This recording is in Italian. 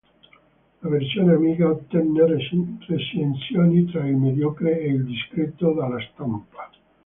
La versione Amiga ottenne recensioni tra il mediocre e il discreto dalla stampa.